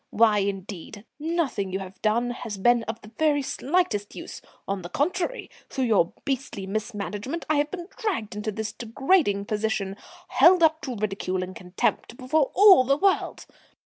Why indeed? Nothing you have done has been of the very slightest use; on the contrary, through your beastly mismanagement I have been dragged into this degrading position, held up to ridicule and contempt before all the world.